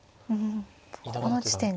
この地点が。